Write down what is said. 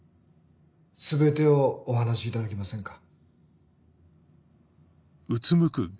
全てをお話しいただけませんか？